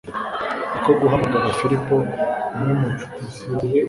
ni ko guhamagaza filipo, umwe mu ncuti ze